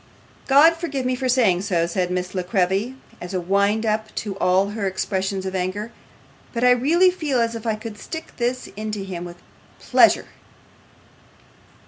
'God forgive me for saying so,' said Miss La Creevy, as a wind up to all her expressions of anger, 'but I really feel as if I could stick this into him with pleasure.